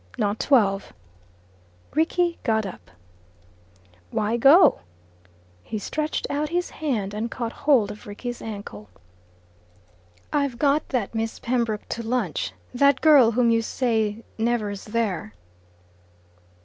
"Not twelve." Rickie got up. "Why go?" He stretched out his hand and caught hold of Rickie's ankle. "I've got that Miss Pembroke to lunch that girl whom you say never's there."